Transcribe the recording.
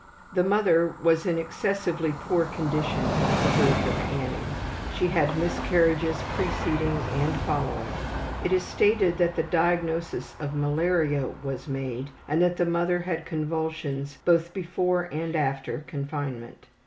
The mother was in excessively poor condition at the birth of Annie. She had miscarriages preceding and following. It is stated that the diagnosis of malaria was made and that the mother had convulsions both before and after confinement.